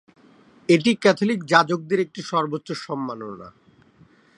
এটি ক্যাথলিক যাজকদের একটি সর্বোচ্চ সম্মাননা।